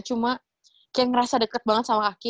cuma kayak ngerasa deket banget sama kak kim